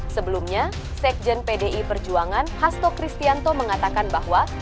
sebelumnya sekjen pdi perjuangan hasto kristianto mengatakan bahwa